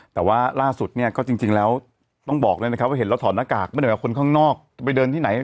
แต่ว่าล่าสุดเนี่ยก็จริงแล้วต้องบอกเลยนะครับว่าเห็นเราถอดหน้ากากไม่ได้ว่าคนข้างนอกจะไปเดินที่ไหน